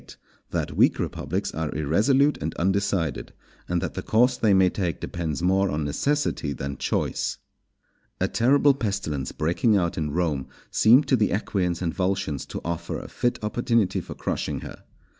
—_That weak Republics are irresolute and undecided; and that the course they may take depends more on Necessity than Choice._ A terrible pestilence breaking out in Rome seemed to the Equians and Volscians to offer a fit opportunity for crushing her.